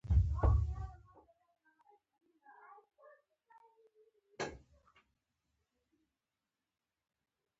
د علم په تړاو د افاقيت دغه تصور اړين دی.